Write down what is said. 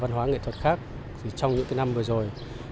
các trường nghệ thuật khác trong những năm vừa rồi